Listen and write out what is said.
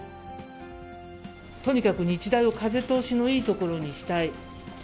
とにかく日大を風通しのいいところにしたい。